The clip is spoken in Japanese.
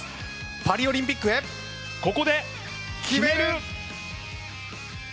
パリオリンピックへ決める。